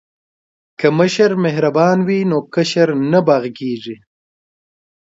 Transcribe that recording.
که مشر مهربان وي نو کشر نه باغی کیږي.